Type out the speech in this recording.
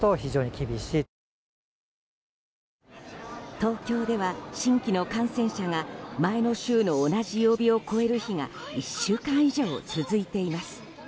東京では、新規の感染者が前の週の同じ曜日を超える日が１週間以上、続いています。